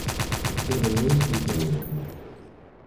De totes maneres, què hi feies aquí?